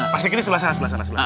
pasiketnya sebelah sana sebelah sana